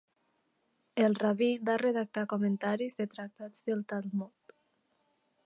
El rabí va redactar comentaris de tractats del Talmud.